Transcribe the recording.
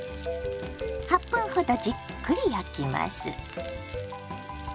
８分ほどじっくり焼きます。